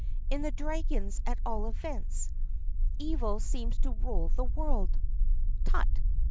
"In the dragons, at all events. Evil seems to rule the world." "Tut!"